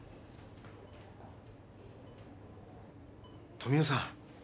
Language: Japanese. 富生さん。